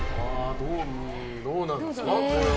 どうなんですか、これは。